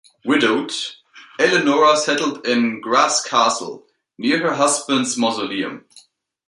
Widowed, Eleonora settled in Graz Castle, near her husband's mausoleum.